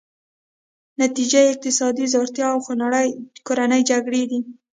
نتیجه یې اقتصادي ځوړتیا او خونړۍ کورنۍ جګړې دي.